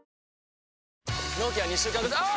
納期は２週間後あぁ！！